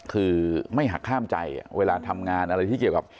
คือไม่หักข้ามใจเวลาทำงานอะไรที่เกี่ยวกับ